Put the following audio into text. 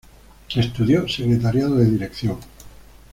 Estudió Secretariado de Dirección.